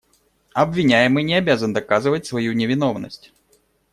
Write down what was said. Обвиняемый не обязан доказывать свою невиновность.